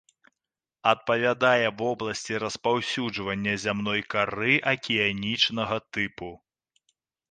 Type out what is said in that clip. Адпавядае вобласці распаўсюджвання зямной кары акіянічнага тыпу.